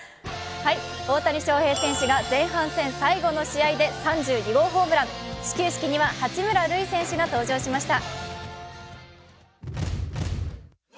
大谷翔平選手が前半戦最後の試合で３２号ホームラン、始球式には八村塁選手が登場しました。